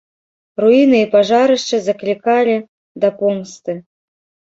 Руіны і пажарышчы заклікалі да помсты.